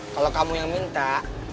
kalau kamu yang minta